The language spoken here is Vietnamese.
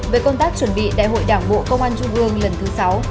về công tác chuẩn bị đại hội đảng bộ công an trung ương lần thứ sáu